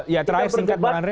ya terakhir singkat bang andre